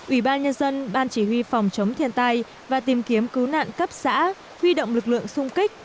ubnd ban chỉ huy phòng chống thiên tai và tìm kiếm cứu nạn cấp xã huy động lực lượng sung kích